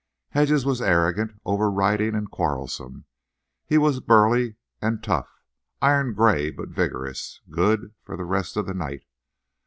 Hedges was arrogant, overriding and quarrelsome. He was burly and tough, iron gray but vigorous, "good" for the rest of the night.